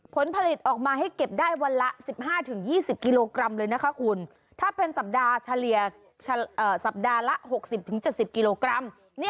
ผลผลิตออกมาให้เก็บได้วันละ๑๕๒๐กิโลกรัมเลยนะคะคุณถ้าเป็นสัปดาห์เฉลี่ยสัปดาห์ละ๖๐๗๐กิโลกรัม